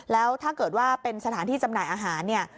แล้วถ้าเกิดว่าเป็นสถานที่จำหน่ายอาหารเนี่ย